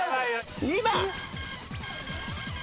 ２番！